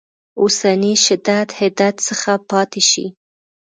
اوسني شدت حدت څخه پاتې شي.